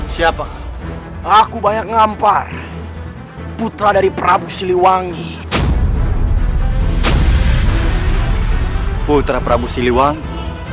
siapa aku banyak ngampar putra dari prabu siliwangi putra prabu siliwangi